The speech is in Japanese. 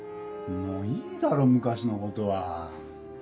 もういいだろ昔のことは。